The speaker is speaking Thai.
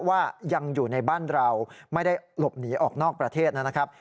ว่ายังอยู่ในบ้านเราไม่ได้หลบหนีออกนอกประเทศนะครับ